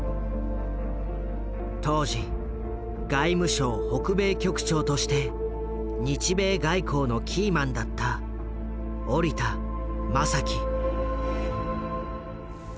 当時外務省北米局長として日米外交のキーマンだった折田正樹。